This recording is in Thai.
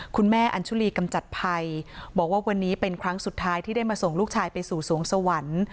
คุณแม่อัญชุลีกำจัดภัยบอกว่าวันนี้เป็นครั้งสุดท้ายที่ได้มาส่งลูกชายไปสู่สวงสวรรค์